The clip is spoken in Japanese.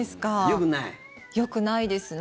よくないですね。